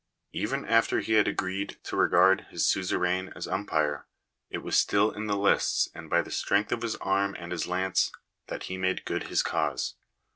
Even after he had agreed to regard his suzerain as umpire, it was still in the lists, and by the strength of his arm and his lance, that he made good his cause.